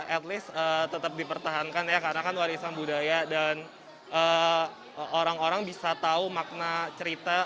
at least tetap dipertahankan ya karena kan warisan budaya dan orang orang bisa tahu makna cerita